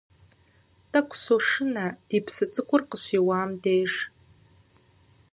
Тӏэкӏу сошынэ ди псы цӏыкӏур къыщиуам деж.